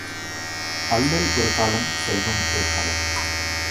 அல்லல் ஒரு காலம் செல்வம் ஒரு காலம்.